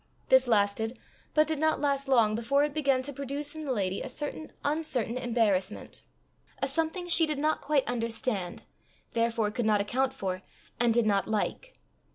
This lasted; but did not last long before it began to produce in the lady a certain uncertain embarrassment, a something she did not quite understand, therefore could not account for, and did not like.